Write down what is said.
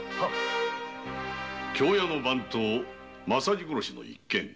京屋の番頭政次殺しの一件。